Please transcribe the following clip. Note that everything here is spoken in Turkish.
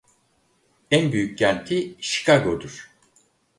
En büyük kenti Şikago'dur.